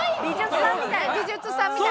美術さんみたいな。